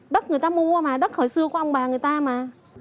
đất người ta mua mà đất hồi xưa qua ông bà người ta mà